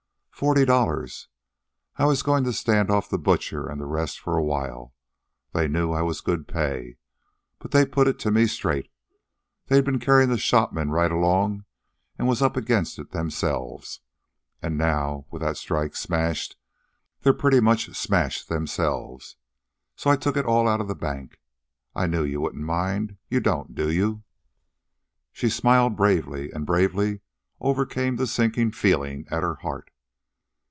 "Forty dollars. I was goin' to stand off the butcher an' the rest for a while. They knew I was good pay. But they put it to me straight. They'd been carryin' the shopmen right along an was up against it themselves. An' now with that strike smashed they're pretty much smashed themselves. So I took it all out of the bank. I knew you wouldn't mind. You don't, do you?" She smiled bravely, and bravely overcame the sinking feeling at her heart.